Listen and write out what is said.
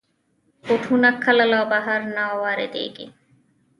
بوټونه کله له بهر نه واردېږي.